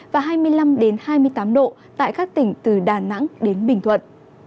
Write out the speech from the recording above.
và hai mươi năm hai mươi tám độ tại các tỉnh từ đà nẵng đến bình thuận